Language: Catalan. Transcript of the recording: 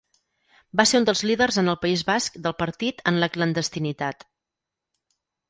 Va ser un dels líders en el País Basc del partit en la clandestinitat.